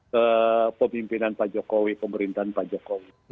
ke pemimpinan pak jokowi pemerintahan pak jokowi